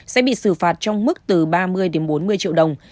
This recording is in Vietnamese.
sẽ bị xử phạt trong mức từ ba mươi đến bốn mươi triệu đồng